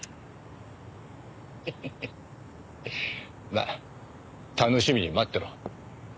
まあ楽しみに待ってろ。